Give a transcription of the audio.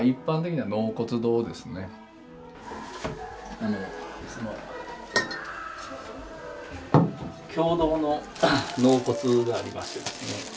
あの共同の納骨がありましてですね